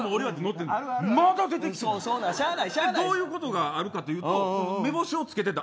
まだ出てきてるんどういうことがあるかというと目星をつけてた